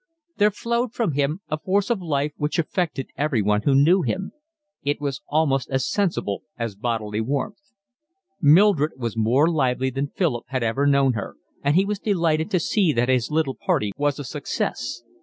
There flowed from him a force of life which affected everyone who knew him; it was almost as sensible as bodily warmth. Mildred was more lively than Philip had ever known her, and he was delighted to see that his little party was a success.